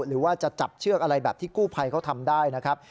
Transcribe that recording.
หรือว่าจะจับเชือกอะไรแบบที่กู้ภัยเขาทำได้นะครับ